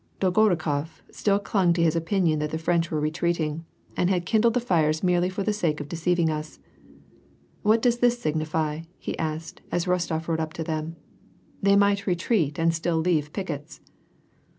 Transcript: Dolgorukof still clung to his opinion that the French were retreating, and had kindled the fires merely for the sake of deceiving us. " What does this signify ?" he asked, as Rostof rode up to them. " They might retreat and still leave pickets."